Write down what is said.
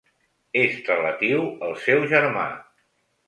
És relatiu al seu germà.